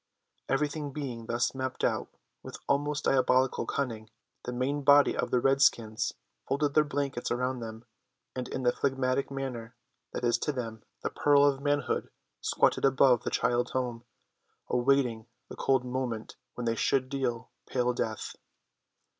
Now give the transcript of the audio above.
Everything being thus mapped out with almost diabolical cunning, the main body of the redskins folded their blankets around them, and in the phlegmatic manner that is to them, the pearl of manhood squatted above the children's home, awaiting the cold moment when they should deal pale death.